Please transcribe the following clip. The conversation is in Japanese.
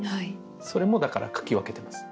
それもだから書き分けてます。